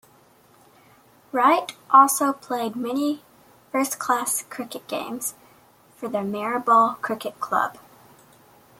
Wright also played many first-class cricket games for the Marylebone Cricket Club.